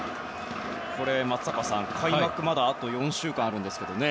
松坂さん、開幕までまだ４週間あるんですけどね。